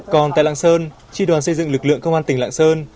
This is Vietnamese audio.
còn tại lạng sơn tri đoàn xây dựng lực lượng công an tỉnh lạng sơn